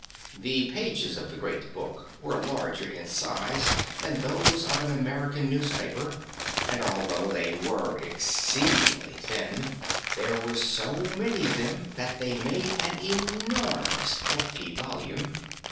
The pages of the Great Book were larger in size than those of an American newspaper, and although they were exceedingly thin, there were so many of them that they made an enormous, bulky volume.